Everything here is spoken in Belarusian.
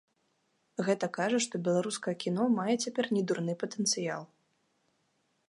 Гэта кажа, што беларускае кіно мае цяпер недурны патэнцыял.